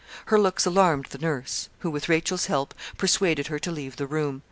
Her looks alarmed the nurse, who, with Rachel's help, persuaded her to leave the room.